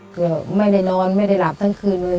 เกือบไม่ได้นอนไม่ได้หลับทั้งคืนเลย